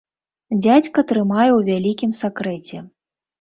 Дзядзька трымае ў вялікім сакрэце.